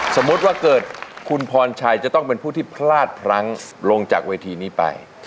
สมมุติว่าเกิดคุณพรชัยจะต้องเป็นผู้ที่พลาดพลั้งลงจากเวทีนี้ไป